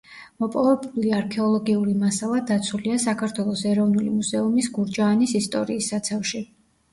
მოპოვებული არქეოლოგიური მასალა დაცულია საქართველოს ეროვნული მუზეუმის გურჯაანის ისტორიის საცავში.